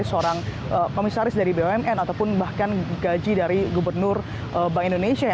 seorang komisaris dari bumn ataupun bahkan gaji dari gubernur bank indonesia